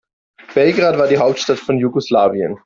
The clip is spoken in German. Belgrad war die Hauptstadt von Jugoslawien.